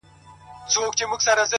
پوهه د تعصب دیوالونه نړوي،